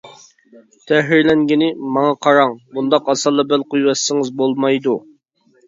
تەھرىرلەنگىنى: ماڭا قاراڭ، بۇنداق ئاسانلا بەل قويۇۋەتسىڭىز بولمايدۇ.